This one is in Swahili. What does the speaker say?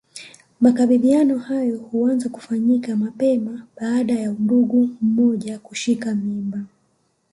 Makabidhiano hayo huanza kufanyika mapema baada ya ndugu mmoja kushika mimba